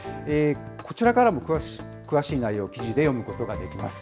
こちらからも詳しい内容、記事で読むことができます。